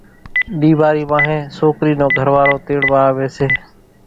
ۮيوارِي وانھين سوڪرِي نو گھروارو تيڙوا آوي سي